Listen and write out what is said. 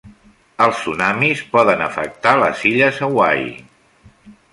Els tsunamis poden afectar les illes Hawaii.